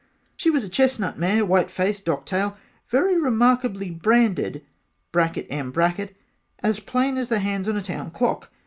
She was a chestnut mare white face docked tail very remarkable branded (M) as plain as the hands on a town clock.